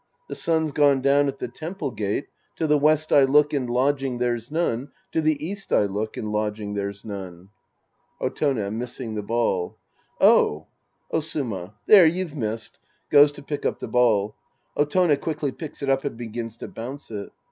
The sun's gone down at the temple gate, To the west I look and lodging there's none, To the east I look and lodging there's none. Otone {missing the ball). Oh. Osuma. There, you've missed. {Goes to pick up the ball. Otone quickly picks it up and begins to bounce it.)